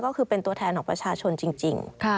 ก็คือเป็นตัวแทนของประชาชนจริง